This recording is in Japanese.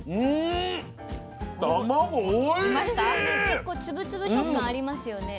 結構つぶつぶ食感ありますよね。